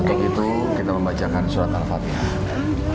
untuk itu kita membacakan surat al fatihah